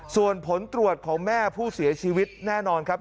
ส่วนผลตรวจของแม่ผู้เสียชีวิตแน่นอนครับ